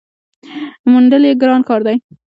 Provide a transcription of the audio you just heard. موندل یې ګران کار دی .